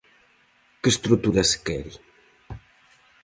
Que estrutura se quere?